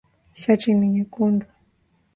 Shati ni nyekundu.